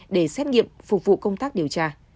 để xét nghiệm phục vụ công tác điều tra